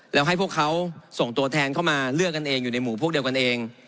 แล้วให้พวกเขาส่งตัวแทนเข้ามาเลือกกันเองอยู่ในหมู่พวกเดียวกันเอง